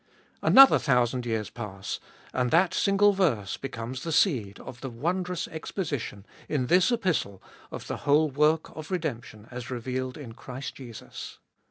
Another thousand years pass, and that single verse becomes the seed of the wondrous exposition, in this Epistle, of the whole work of redemption as revealed in Christ Jesus.